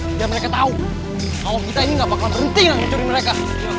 biar mereka tau awal kita ini gak bakalan berhenti ngelancurin mereka